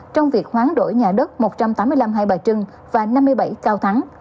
trong việc hoán đổi nhà đất một trăm tám mươi năm hai bà trưng và năm mươi bảy cao thắng